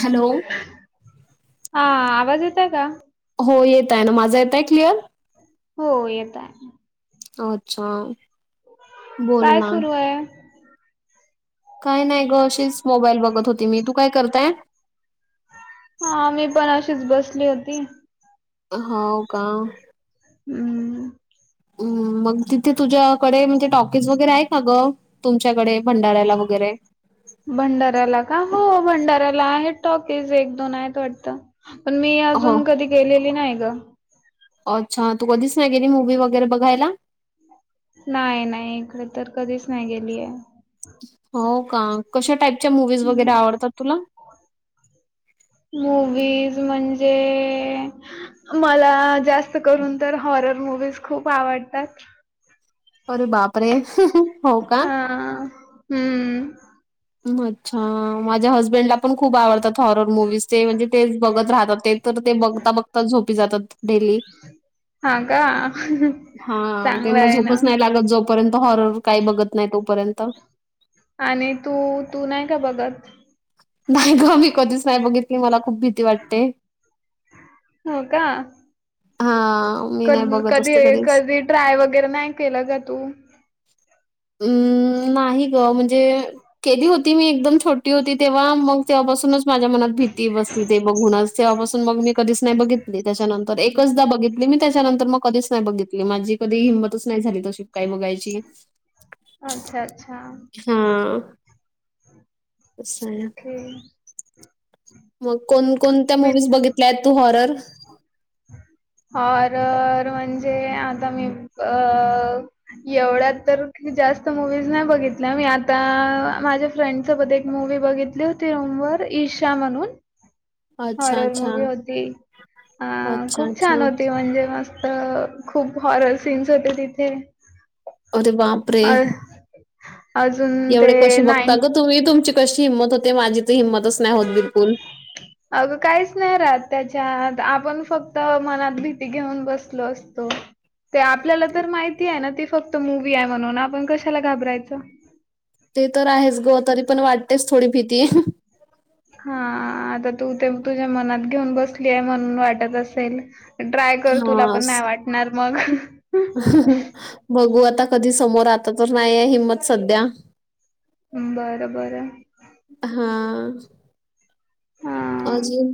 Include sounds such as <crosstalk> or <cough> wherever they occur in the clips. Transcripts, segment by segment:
<inaudible> Hello! <inaudible> हा आवाज येतेय का? हो येतय ना, माझा येतय क्लिअर? हो येतय. अच्छा. बोल काय? ना सुरू आहे. काय नाही ग अशीच मोबाईल बघत होती मी, तू काय? करताय. हा मी पण अशीच बसली होती. हो का? हम्म. म मग तिथे तुझ्याकडे म्हणजे टॉकीज वगैरे आहे का? ग. तुमच्याकडे भंडाऱ्याला वगैरे. भंडाऱ्याला का हो भंडाऱ्याला आहे टॉकीज एक, दोन आहेत वाटतं. पण मी हो अजून कधी गेलेली नाही ग. अच्छा तू कधीच नाही गेली मुव्ही वगैरे बघायला. नाही नाही इकडे तर कधीच नाही गेलीय. हो का? कशा टाईपच्या मुूवीज वगैरे आवडतात तुला. मूवीज म्हणजे मला जास्त करून तर हॉरर मुूवीज खूप आवडतात. अरे बापरे! हो का? हा. हम्म. अच्छा माझ्या हस्बेंडला पण खूप आवडतात हॉरर मुव्हीज. ते म्हणजे तेच बघत राहतात ते तर ते बघता बघता झोपी जातात. डेली हा का? हा चांगलं त्यांना आहे झोप ना. नाही लागत झोप परंतु हॉरर काय बघत नाही तोपर्यंत. आणि तू तू नाही का? बघत. नाही ग मी कधीच नाही बघितली मला खूप भीती वाटते. हो का? हा क कधी कधी ट्राय वगैरे नाही केलं का तू. हम् नाही ग म्हणजे केली होती मी एकदम छोटी होती तेव्हा मग तेव्हापासूनच माझ्या मनात भीती बसली ते बघूनच. तेेव्हापासून मग मी कधीच नाही बघितली त्याच्यानंतर एकचदा बघितली मी त्याच्यानंतर मग कधीच नाही बघितली माझी. कधी हिंमतच नाही झाली तशी काही बघायची. अच्छा अच्छा हा साया हम्. मग कोणकोणत्या? मी मूवीज बघितल्या आहेत तू हॉरर. हॉरर म्हणजे आता मी अ एवढ्या तर जास्त मुव्हीज नाही बघितल्या मी आता माझ्या फ्रेंड सोबत एक मूवी बघितली होते रूमवर ईशा म्हणून. अच्छा, हॉरर अच्छा. मूवी होती अ अच्छा, खूप छान! अच्छा. होती म्हणजे मस्त. अ खूप हॉरर सीन्स होते तिथे. अरे बापरे! अ अजून ते एवढे कसे बघता नाईन ग तुम्हीुमची कशी कशी हिम्मत होते माझी तर हिम्मतच होत नाही बिलकुल. ह. अगं काहीच नाही राहत त्याच्यात आपण फक्त मनात भीती घेऊन बसलो असतो. ते आपल्याला तर माहिती आहे ना ती फक्त मूवी आहे. म्हणून आपण कशाला घाबरायचं. ते तर आहेच ग तरी पण वाटतेच थोडी भीती. हा आता तू ते तुझ्या मनात घेऊन बसली आहे म्हणून वाटत असेल. ट्राय कर तुला हां. पण नाही वाटणार मग. बघू आता कधी समोर आता तर नाहीय हिंमत सध्या. बरं बरं. हा हा. अजून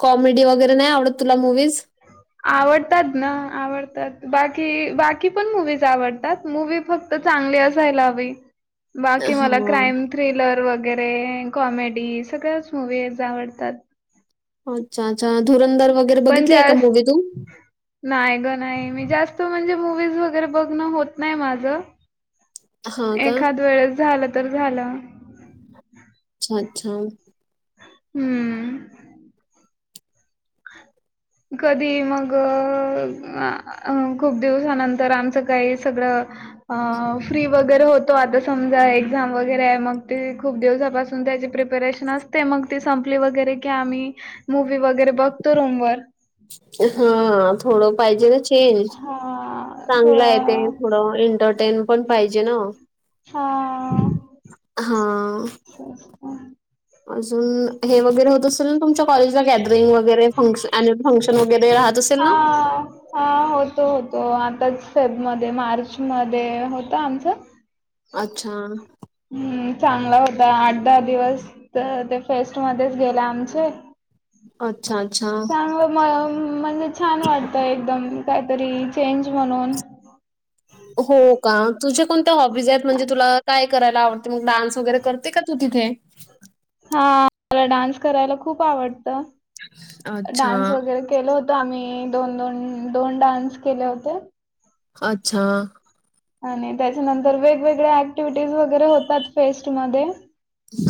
कॉमेडी वगैरे नाही आवडत तुला मुव्हीज. ह. आवडतात ना आवडतात बाकी बाकी पण मूवीज आवडतात मूवी् फक्त तर चांगली असायला हवी बाकी मला हां. क्राईम थ्रिलर, वगैरे कॉमेडी सगळ्याच मूवीज आवडतात. अच्छा अच्छा धुरधर वगैरे पण बघितलीय का? जास्त मूवी तु नाही ग नाही मी जास्त म्हणजे मूवीज वगैरे बघणं होत नाही माझं. हां का? एखाद वेळेस झालं तर झालं. अच्छा अच्छा. हम्म कधी मग खूप दिवसानंतर आमचं काही सगळं अ फ्री वगैरे होत. तो आता समजा एक्झाम वगैरे आहे मग ती खूप दिवसापासून त्याची प्रिपेरेशन असते. ते मग ती संपली वगैरे की आम्ही मूवी् वगैरे बघतो रूम वर. हा थोडं पाहिजे ना चेंज हा चांगलं आहे ते. थोडं थोड एंटरटेन पण पाहिजे ना हा. अछ. अजून हे वगैरे होत असेल ना तुमच्या कॉलेजचा गॅदरिंग वगैर ॲनिवल फंक्शन वगैरे राहत असेल. ना? हा. हा होतो होतो आताच फेबमध्येध्ये मार्चमध्ये होत आमचं. अच्छा. हम्म चांगला होता आठ दहा दिवस ते फेस्ट मध्येच गेले आमचे. अच्छा अच्छा. चांगलं म म्हणजे छान वाटतं एकदम काहीतरी चेंज म्हणून. हो का तुझ्या कोणत्या हॉबीज आहेत म्हणजे तुला काय? करायला आवडते मग डान्स वगैरे करते का तू तिथे. हा मला डान्स करायला खूप आवडत अच्छा. डान्स वगैरे. केल होत आम्ही दोन दोन दोन डान्स केले होते. अच्छा. आणि त्याच्यानंतर वेगवेगळ्या ऍक्टिव्हिटीज वगैरे होतात फेस्टमध्येध्ये.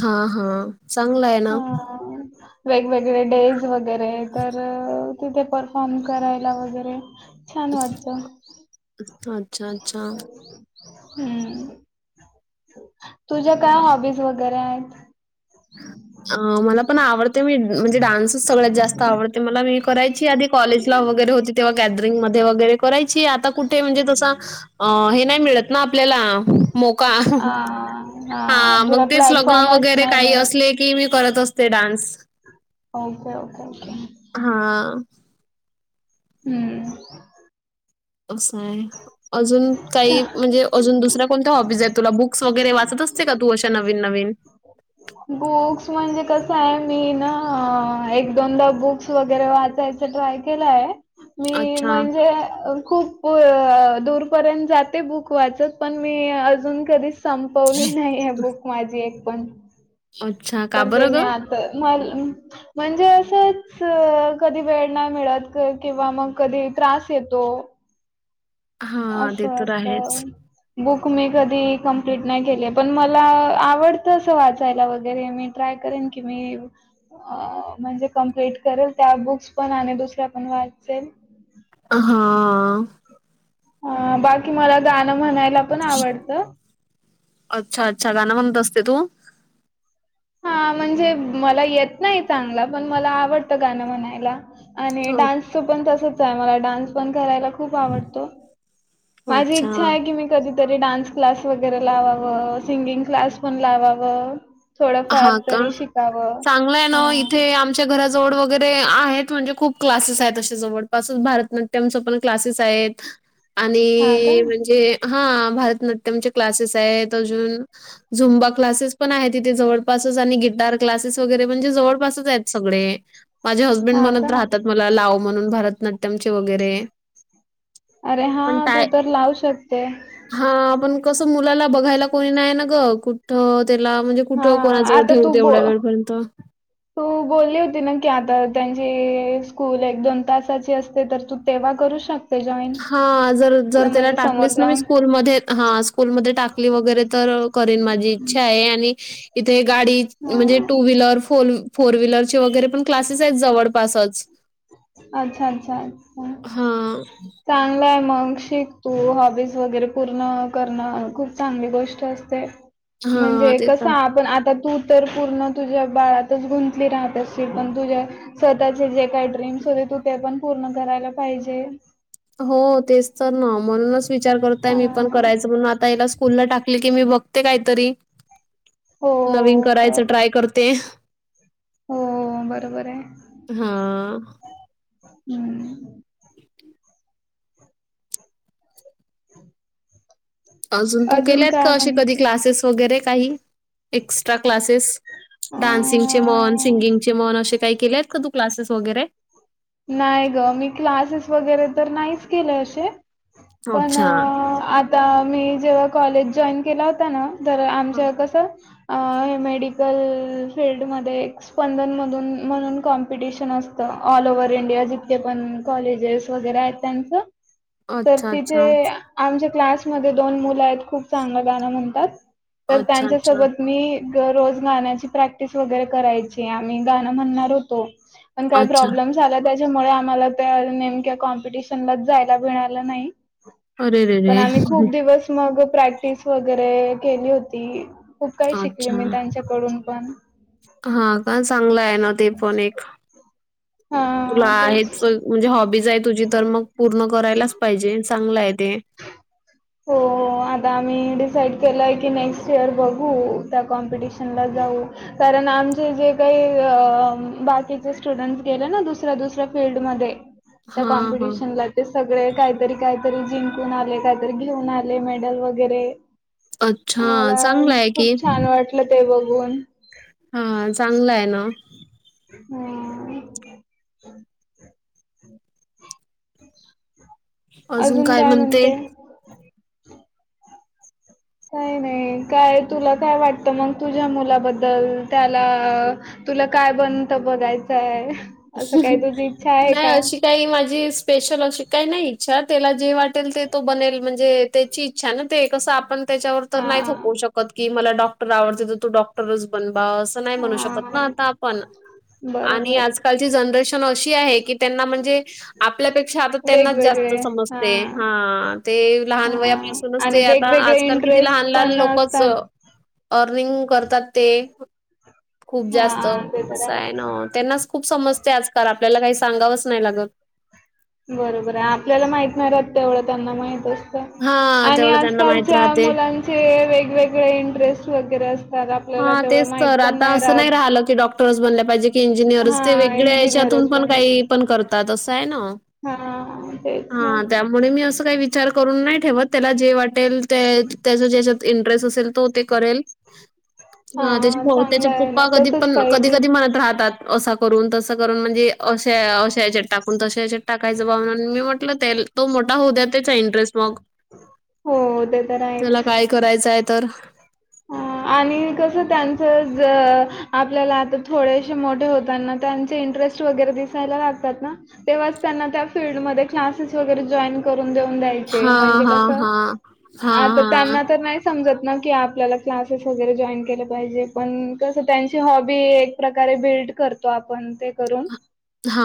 हा हा. चांगलाय. ह वेगवेगळे डेज वगैरे तर. तिथे परफॉर्म करायला वगैरे. छान वाटत अच्छा, अच्छा. हम्म. तुझ्या काय? हॉबीज वगैरे आहेत. ह. अ मला पण आवडते मी म्हणजे डान्सच सगळ्यात जास्त आवडते मला मी करायची आधिक. कॉलेज ला वगैरे होती तेव्हा गॅदरिंग मध्ये वगैरे करायची. आता कुठे म्हणजे तस हे नाही मिळत ना आपल्याला मोका. हा हा मग तुला तेच लग्न प्लॅटफॉर्मच वगैरे नाही काही मिळत. असले की मी करत असते डान्स. Okay okay okay. हा. हम्म. असं आहे अजून काही म्हणजे अजून दुसऱ्या कोणत्या हॉबीज आहेत तुला बुक बुक्स वगैरे वाचत असते का तू अशा नवीन नवीन. बुक्स म्हणजे कस आहे मी ना एक दोनदा बुक्स वगैरे वाचायच. ट्राय केलाय मी अच्छा, म्हणजे खूप. होय दूरपर्यंत जाते बुक वाचत पण मी अजून कधीच संपवली नाही ह बुक माझी एक पण. अच्छा. का तर ते बरं मी गं? आता म म्हणजे असंच कधी वेळ नाही मिळत किंवा मग कधी त्रास येतो. हां, ते असं तर आहेच. असतं. बुक मी कधी कंप्लीट नाही केली पण मला आवडतं अस वाचायला वगैरे मी ट्राय करेन की मी अ म्हणजे कंप्लीट करेल त्या बुक्स पण आणि दुसऱ्या पण वाचेल. हा. ह बाकी मला गाणं म्हणायला पण आवडतं. अच्छा अच्छा गाण म्हणत असते तू. हा म्हणजे मला येत नाही चांगला पण मला आवडतं गाणं म्हणायला. आणि अ डान्सचं पण तसच आहे मला डान्स पण करायला खूप आवडतो. माझी अच्छा. इच्छा आहे की मी कधीतरी डान्स क्लास वगैरे लावावं सिंगिंग क्लास पण लावावं. थोडंफार हां का? तरी शिकावं चांगलं आहे ना. इथे हम. आमच्या घराजवळ वगैरे आहेत म्हणजे खूप क्लासेस आहेत अशे जवळपसच भरतनाट्यम च पण क्लासेस आहेत. आणि हा का? इ इ म्हणजे हा भरतनाट्यम चे क्लासेस आहेत अजून झुंबा क्लासेस पण आहेतथ जवळपासच आणि गिटार क्लासेस वगैरे म्हणजे जवळपासच आहेत सगळे. माझे हस्बंड हा म्हणत का? राहतात मला लाव म्हणून भरतनाट्यमचे वगैरे. अरे हा तू तर लावू शकते. हा आपण कसं मुलाला बघायला कोणी नाही ना ग कुठ त्याला म्हणजे. कुठं कोणाजवळ ठेऊ दे तेवढ्या वेळपर्यंत. ह तू बोलली होती ना की आता त्यांची स्कूल एक दोन तासाची असते तर तू तेव्हा करू शक हा जर जर त्याला समोर टाकलीच ना मी जाऊन. स्कूलमध्ये हा स्कूलमध्ये टाकली वगैरे तर करन माझी इच्छा आहे आणि इथे गाडी म्हणजे हा टू व्हीलर फोर फोर व्हीलरचे वगैरे पण क्लासेस आहेत जवळ. पाासच. अच्छा अच्छा अच्छा. हां, चांगलंय मग शिकतू हॉबीज वगैरे पूर्ण करणं खूप चांगली गोष्ट असते. हां, म्हणजे ते कस तर आपण आता तू तर पूर्ण तुझ्या बाळातच गुंतली राहत असतील पण तुझ्या स्वतःचे जे काय ड्रीम् तू ते पण पूर्ण करायला पाहिजे. हो तेच तर ना म्हणूनच विचार करतय मी पण हा करायचं म्हणून आता याला स्कूलला टाकली की मी बघते कायतरी. नवीन हो कर करायचं ट्राय करते हो बरोबर आहे हां, हम्म. अजून तू केल्यात का काय अ कधी म्हणते? क्लासेस वगैरे काही एक्स्ट्रा क्लासेस अ डान्सिंगचे, मन सिंगिंगचे, मन असे काही केले आहेत का? तू क्लासेस वगैरे. नाही ग मी क्लासेस वगैरे तर नाहीच केले असे. पण अच्छा. आता मी जेव्हा कॉलेज जॉईन केला होता ना. तर हं. आमच्या कस मेडिकल फीलल्डमध्येध्ये. स्पंदनमधून म्हणून कॉम्पिटिशन असतं ऑल ओव्ह इंडिया जथे पण कॉलेजेस वगैरे आहेत त्यांच तर अच्छा, तिथे अच्छा. आमच्या क्लासमध्ये दोन मुलं आहेत खूप चांगलं गाणं म्हणतात तर अच्छा, अच्छा. त्यांच्यासोबत मी रोज गाण्याची प्रॅक्टिस वगैरे करायची आम्ही गाणं म्हणणार होतो. पण काही अच्छा. प्रॉब्लेम् आला त्याच्यामुळे आम्हाला त्या नेमक्या कॉम्पिटिशनलाच जायला मिळालं नाही. अरे रे पण रे! आम्ही खूप दिवस मग प्रॅक्टिस वगैरे केली होती खूप काही शिकली मी त्यांच्याकडून पण. हा का चांगलं आहे ना ते पण एक. तुला हा आहे तेच म्हणजे हॉबीज आहे तुझी तर मग पूर्ण करायलाच पाहिजे. चांगला आहे ते. हो. आता आम्ही डिसाईड केलं आहे की नेक्स्ट इयर बघू त्या कॉम्पिटिशनला जाऊ. कारण आमचे जे काही बाकीचे स्टुडंट्स गेले ना दुसऱ्या दुसऱ्या फीलल्डमध्ये. त्या हां, हां. कॉम्पिटिशन ला ते सगळे काहीतरी काहीतरी जिं ून आले काहीतरी घेऊन आले मेडल वगैरे. अच्छा. मला चांगलं आहे की. खूप छान वाटलं ते बघून. हा चांगलं आहे ना. हम अजून काय? म्हणते काही नाही काय तुला काय? वाटतं मग तुझ्या मुलाबद्दल त्याला तुला काय बनत बघायचंय असं काही तुझी इच्छा आहे का? त्याही माझी स्पेशल अशी काही नाही इच्छा त्याला जे वाटेल ते तो बनेल म्हणजे त्याची इच्छा ना ते कसं आपण. त्याच्यावर तर हां नाही थोपवू शकत की मला डॉक्टर आवडते तर तू डॉक्टरच बन बाबा. नाही म्हनु शकत हां आता आपण आणि बरोबर आज कालची जनरेशन अशी आहे की त्यांना म्हणजे आपल्यापेक्षा आता त्यांनाच जास्त वेगवेगळे समजते हां हा. ते लहान हां वयापासूनच आणि ते आता वेगवेगळे आजकाल किती? लहान इंटरेस्ट लहान पण लोकच असतात अर्निंग करतात ते खूप जास्त हां ते तर असं आहे ना. त्यांनाच खूप समजते आजकाल आपल्याला काही सांगावंच नाही लागत. बरोबर आहे आपल्याला माहित नाहीात तेवढं त्यांना माहितच. हां, आणि तेवढं त्यांना माहीत आजकालच्या राहते. मुलांचे वेगवेगळे इंटरेस्ट वगैरे असत. हा तेच तर आता असं नाही राहिलं की डॉक्टर्स बनल्या पाहिजे की हा इंजिनियर्स ते वेगळे्या हच्यातून इंजिनियरच पण काही बनायचं. पण करतात असं आहे ना. हा तेच ना. म्हणून मी असं काही विचार करून नाही ठेवत त्याला जे वाटेल ते त्याच ज्याच्या इंटरेस्ट असेल तो ते करेल. हा ह त्याचे त्याचे चांगलं आहे ना पप्पा कधी तसच पण कधी पाहिजे. कधी म्हणत राहतात. असं करून तसं करून म्हणजे अशा अशा याच्यात टाकून तश याच्यात टाकायचं भाव मी तो मोठा होऊ द्या त्याचा इंटरेस्ट मग हो ते तर आहेच. त्याला काय करायचं आहे तर. हा. आणि कसं त्यांचं आपल्याला आता थोडेसे मोठे होताना त्यांचे इंटरेस्ट वगैरे दिसायला लागतात ना तेव्हाच त्यांना फिल्डमध्ये क्लासेस वगैरे जॉईन करून धरून द्यायचे हां, म्हणजे कस हां, हां. हां, आ हां. त्यांना तर नाही समजत ना की आपण आपल्याला क्लासेस वगैरे जॉईन केलं पाहिजे पण कसं त्यांची हॉबी एक प्रकारे बिल्ड करते. करतो तो आपण ते करून. हा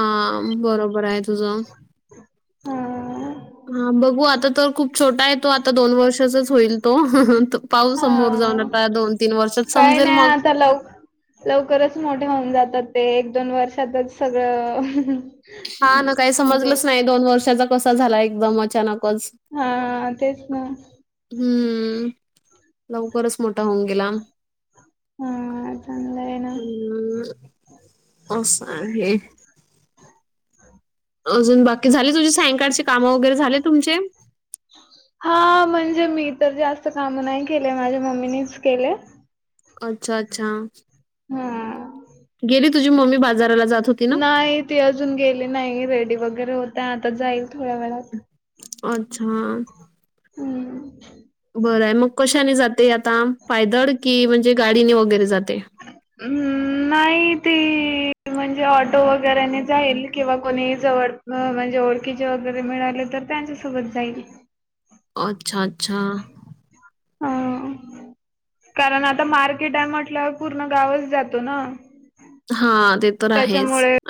बरोबर आहे तुझं. हम्. हा बघू आता तर खूप छोटा आहे तो आता दोन वर्षाचाच होईल तो. पाहू समोर जाऊन हा आता दोन तीन वर्षात समजेल मग. च लव लवकरच मोठे होऊन जातात ते एक दोन वर्षातच सगळं. हा ना काही म्हणजे समजलंच नाही दोन वर्षाचा कसा झाला एकदम अचानकच. हा तेच ना. हम्म लवकरच मोठा होऊन गेला. हा चांगंल आहे ना. हम् अससा आहे. अजून बाकी झाले तुझी सायंकाळचे काम वगैरे झाले तुमचे. हा म्हणजे मी तर जास्त काम नाही केले माझ्या मम्मीनीच केले. अच्छा अच्छा. हम. गेली तुझी मम्मी बाजाराला जात हो नाही ती अजून गेली नाही रेडी वगैरे होतय आता जाईल थोड्या वेळात. अच्छा. हम्म. बरं आहे मग कशाने जाते आता पायदळ की म्हणजे गाडीने वगैरे जाते. हम् नाही ते म्हणजे ऑटो वगैरेने जाईल किंवा कोणीही जवळ म्हणजे ओळखीचे वगैरे मिळाले तर त्यांच्यासोबत जाईल. अच्छा अच्छा. हा कारण आता मार्ग कटा म्हटल्यावर पूर्ण गावच जातो ना. हा ते तर आहेच. त्याच्यामुळे